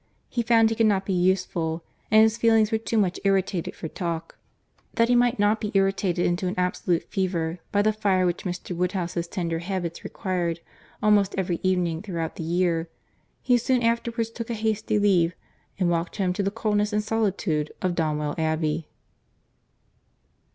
He found he could not be useful, and his feelings were too much irritated for talking. That he might not be irritated into an absolute fever, by the fire which Mr. Woodhouse's tender habits required almost every evening throughout the year, he soon afterwards took a hasty leave, and walked home to the coolness and solitude of Donwell Abbey.